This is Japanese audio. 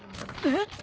えっ？